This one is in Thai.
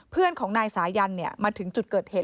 เพื่อนของนายสายันมาถึงจุดเกิดเหตุ